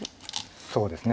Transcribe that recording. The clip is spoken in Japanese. そうですね。